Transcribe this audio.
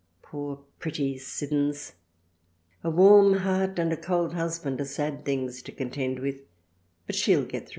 Poor pretty Siddons. A Warm Heart and a Cold Husband are sad things to contend with but she'll get thro'.